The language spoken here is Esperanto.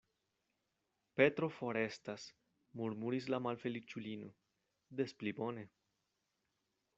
Petro forestas, murmuris la malfeliĉulino; des pli bone.